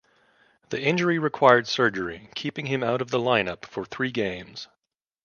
The injury required surgery, keeping him out of the lineup for three games.